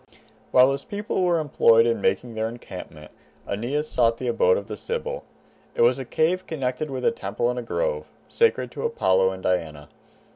While his people were employed in making their encampment Aeneas sought the abode of the Sibyl. It was a cave connected with a temple and grove, sacred to Apollo and Diana.